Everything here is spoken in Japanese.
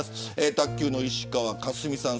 卓球の石川佳純さん